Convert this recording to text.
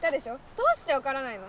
どうしてわからないの？